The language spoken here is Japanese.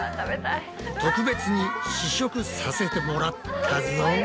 特別に試食させてもらったぞ。